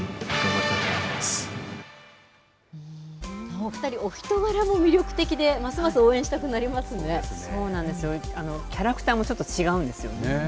お２人、お人柄も魅力的で、そうなんですよ、キャラクターもちょっと違うんですよ。